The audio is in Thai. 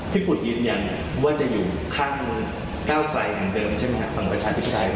พี่ปุฏิยินยังว่าจะอยู่ข้างก้าวไกลเหมือนเดิมใช่มั้ยครับของประชาชนธิปไตย